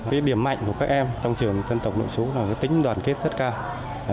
cái điểm mạnh của các em trong trường dân tộc nội chú là cái tính đoàn kết rất cao